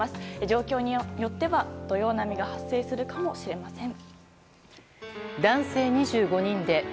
状況によっては土用波が発生するかもしれません。